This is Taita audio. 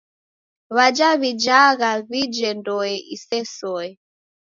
W'aja w'ijagha w'ije ndoe isesoe.